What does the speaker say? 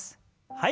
はい。